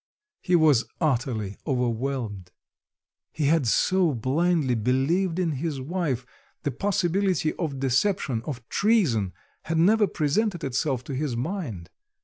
He was utterly overwhelmed. He had so blindly believed in his wife; the possibility of deception, of treason, had never presented itself to his mind.